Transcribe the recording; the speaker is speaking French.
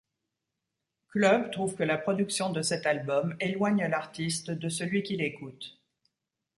Club trouve que la production de cet album éloigne l'artiste de celui qui l'écoute.